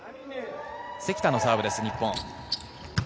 関田のサーブです、日本。